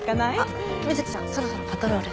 水木ちゃんそろそろパトロール。